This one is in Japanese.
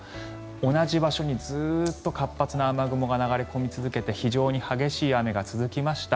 同じ場所にずっと活発な雨雲が流れ込み続けて非常に激しい雨が続きました。